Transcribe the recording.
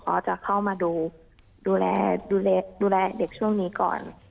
เขาจะเข้ามาดูแลดูแลเด็กช่วงนี้ก่อน